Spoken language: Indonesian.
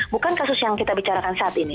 bukan kasus yang kita bicarakan saat ini